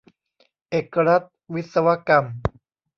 เอกรัฐวิศวกรรม